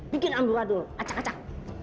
bikin ambora dulu acak acak